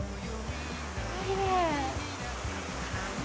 きれい。